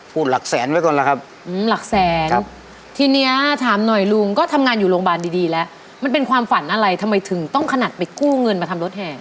หลักแสนไว้ก่อนล่ะครับหลักแสนทีเนี้ยถามหน่อยลุงก็ทำงานอยู่โรงพยาบาลดีแล้วมันเป็นความฝันอะไรทำไมถึงต้องขนาดไปกู้เงินมาทำรถแห่